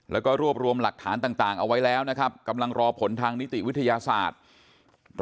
แล้วก็รวบรวมหลักฐานต่างเอาไว้แล้วนะครับกำลังรอผลทางนิติวิทยาศาสตร์